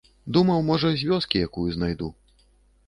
Думаў, можа, з вёскі якую знайду.